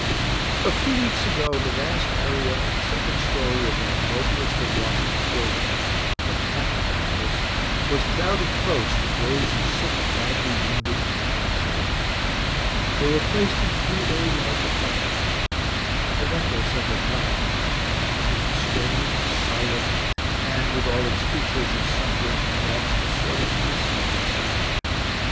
A few weeks ago the vast area of the second story of that noblest of Washington buildings, the Patent office, was crowded close with rows of sick, badly wounded, and dying soldiers. They were placed in three very large apartments. I went there several times. It was a strange, solemn, and, with all its features of suffering and death, a sort of fascinating sight.